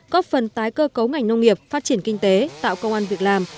góp phần tái cơ cấu ngành nông nghiệp phát triển kinh tế tạo công an việc làm